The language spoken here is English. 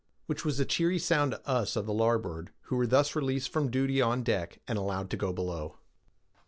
—which was a cheery sound to us of the larboard, who were thus released from duty on deck and allowed to go below.